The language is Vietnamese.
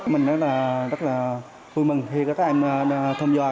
mình rất là vui mừng khi các em thông do